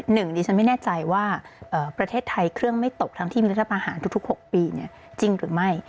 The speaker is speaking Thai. หนึ่งดิฉันไม่แน่ใจว่าประเทศไทยเครื่องไม่ตกทั้งที่มีรัฐประหารทุก๖ปีจริงหรือไม่